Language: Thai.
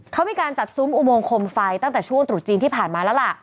เขามีการจัดซุ้มอุโมงคมไฟตั้งแต่ช่วงตรุษจีนที่ผ่านมาแล้วล่ะ